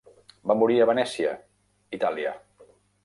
Va morir a Venècia, Itàlia.